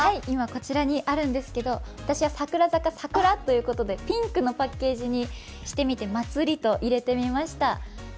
今こちらにあるんですけど、私は櫻坂、桜ということでピンクのパッケージにしてみて「ＭＡＴＳＵＲＩ」と入れてみました。